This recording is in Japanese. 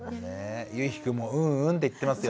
ゆうひくんも「うんうん」って言ってますよ。